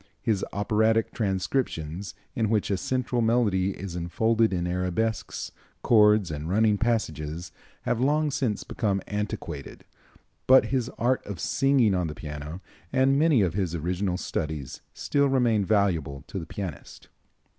His operatic transcriptions, in which a central melody is enfolded in arabesques, chords and running passages, have long since become antiquated, but his art of singing on the piano and many of his original studies still remain valuable to the pianist.